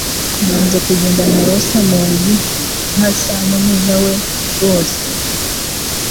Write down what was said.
Nanze kugendana na Rosamond, nkasa numuja we rwose